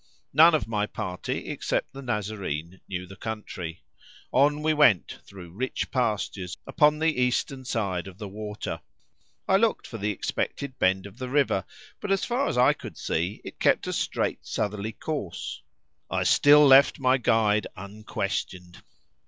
None of my party except the Nazarene knew the country. On we went through rich pastures upon the eastern side of the water. I looked for the expected bend of the river, but far as I could see it kept a straight southerly course; I still left my guide unquestioned.